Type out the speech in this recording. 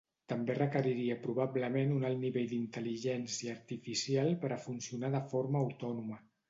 També requeriria probablement un alt nivell d'intel·ligència artificial per a funcionar de forma autònoma.